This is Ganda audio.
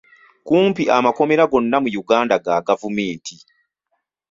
Kumpi amakomera gonna mu Uganda ga gavumenti.